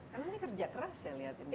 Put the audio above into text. karena ini kerja keras ya lihat ini